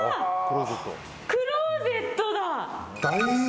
クローゼットだ！